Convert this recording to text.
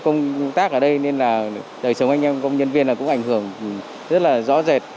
công tác ở đây nên là đời sống anh em công nhân viên là cũng ảnh hưởng rất là rõ rệt